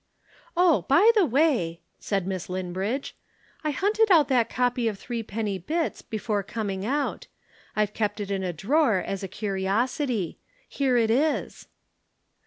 "Oh, by the way," said Miss Linbridge, "I hunted out that copy of Threepenny Bits before coming out. I've kept it in a drawer as a curiosity. Here it is!"